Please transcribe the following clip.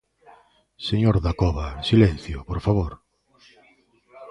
Señor Dacova, silencio, ¡por favor!